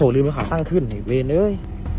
นำมันผิดขึ้นไอว์เวณเอย